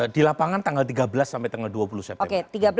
di lapangan tanggal tiga belas sampai tanggal dua puluh september